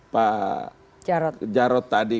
pak jarod tadi